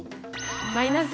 マイナス。